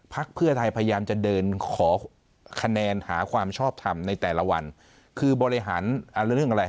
เพื่อไทยพยายามจะเดินขอคะแนนหาความชอบทำในแต่ละวันคือบริหารเรื่องอะไร